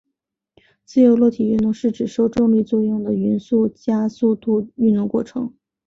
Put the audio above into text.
自由落体运动是指只受重力作用的均匀加速度运动过程。